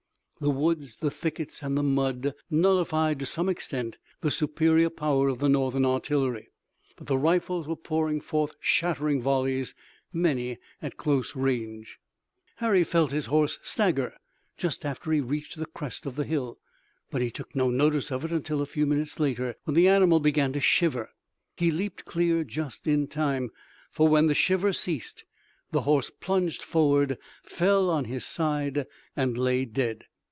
The woods, the thickets and the mud nullified to some extent the superior power of the Northern artillery, but the rifles were pouring forth shattering volleys, many at close range. Harry felt his horse stagger just after he reached the crest of the hill, but he took no notice of it until a few minutes later, when the animal began to shiver. He leaped clear just in time, for when the shiver ceased, the horse plunged forward, fell on his side and lay dead.